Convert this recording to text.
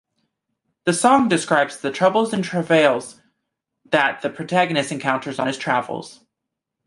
The song describes the troubles and travails that the protagonist encounters on his travels.